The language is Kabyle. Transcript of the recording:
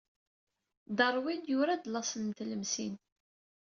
Darwin yura-d Laṣel n Tlemsin.